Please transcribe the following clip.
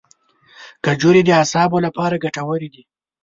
کجورې د اعصابو لپاره ګټورې دي.